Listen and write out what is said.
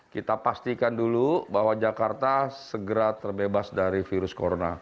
kita pastikan dulu bahwa jakarta segera terbebas dari virus corona